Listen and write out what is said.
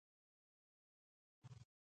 بلکل نوی جوړښت دی.